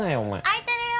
開いてるよ！